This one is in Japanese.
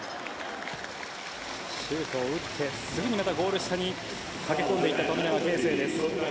シュートを打ってすぐにまたゴール下に駆け込んでいった富永啓生です。